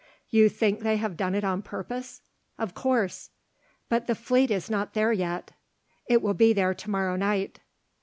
"You think they have done it on purpose?" "Of course." "But the fleet is not there yet." "It will be there to morrow night."